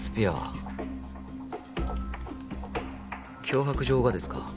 脅迫状がですか？